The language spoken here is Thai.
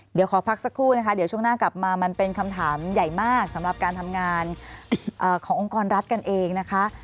เดี๋ยวขอพักสักครู่นะคะเดี๋ยวช่วงหน้ากลับมามันเป็นคำถามใหญ่มากสำหรับการทำงานขององค์กรรัฐกันเองนะคะ